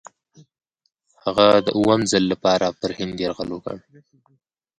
هغه د اووم ځل لپاره پر هند یرغل وکړ.